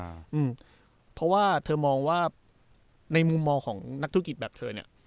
อืมเพราะว่าเธอมองว่าในมุมมองของนักธุรกิจแบบเธอเนี้ย